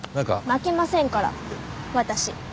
負けませんから私。